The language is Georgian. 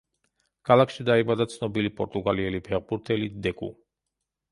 ქალაქში დაიბადა ცნობილი პორტუგალიელი ფეხბურთელი დეკუ.